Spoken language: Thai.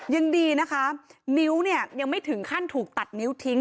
ยังดีนะคะนิ้วเนี่ยยังไม่ถึงขั้นถูกตัดนิ้วทิ้ง